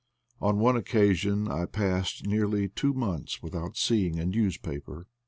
On one occasion I passed very nearly two months without seeing a newspaper.